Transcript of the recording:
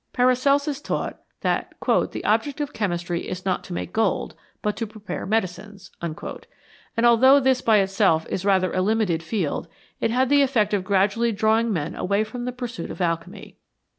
Paracelsus taught that " the object of chemistry is not to make gold, but to prepare medicines," and although this by itself is rather a limited field, it had the effect of gradually drawing men away from the pursuit of alchemy.